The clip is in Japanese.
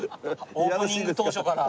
オープニング当初から。